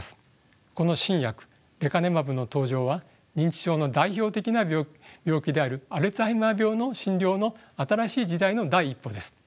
この新薬レカネマブの登場は認知症の代表的な病気であるアルツハイマー病の診療の新しい時代の第一歩です。